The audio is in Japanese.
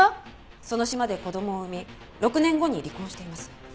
その島で子供を産み６年後に離婚しています。